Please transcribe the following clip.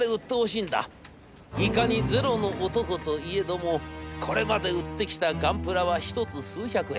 いかにゼロの男といえどもこれまで売ってきたガンプラは１つ数百円。